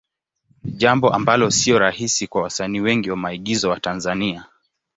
Jambo ambalo sio rahisi kwa wasanii wengi wa maigizo wa Tanzania.